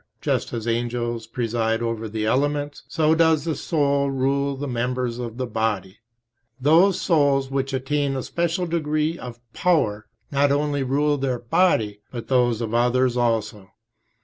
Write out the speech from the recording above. Just as angels preside over the elements, so does the soul rule the members of the body. Those souls which attain a special degree of power not only rule their own body but those of others also.